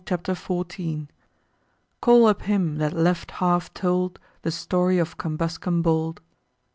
CHAPTER XIV Call up him, that left half told The story of Cambuscan bold.